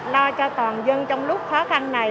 lo cho toàn dân trong lúc khó khăn này